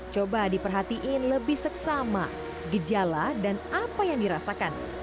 coba diperhatiin lebih seksama gejala dan apa yang dirasakan